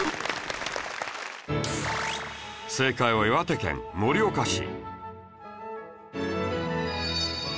正解は岩手県盛岡市